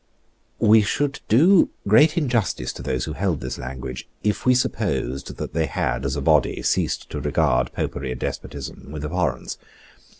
We should do great injustice to those who held this language, if we supposed that they had, as a body, ceased to regard Popery and despotism with abhorrence.